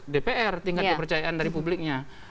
dpr tingkat kepercayaan dari publiknya